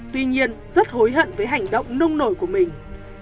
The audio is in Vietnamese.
tuy nhiên rất hối hận với hành động nông nổi của mình